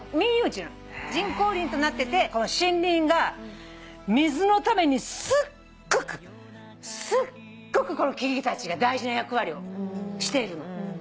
人工林となっててこの森林が水のためにすっごくすっごくこの木々たちが大事な役割をしているの。